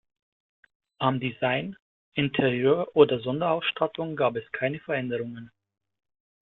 Am Design, Interior oder der Sonderausstattung gab es keine Veränderungen.